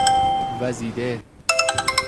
وزیده